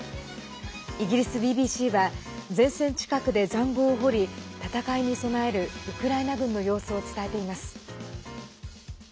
イギリスＢＢＣは前線近くでざんごうを掘り戦いに備えるウクライナ軍の様子を伝えています。